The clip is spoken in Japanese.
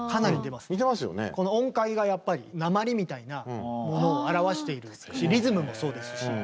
この音階がやっぱり「なまり」みたいなものを表しているしリズムもそうですし。